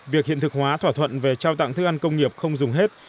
việc hiện thực hóa thỏa thuận về trao tặng thức ăn công nghiệp không dùng hết